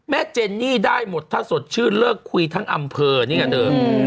แม่เจนี่ได้หมดถ้าสดชื่อเลิกคุยทั้งอำเภอนี่กัน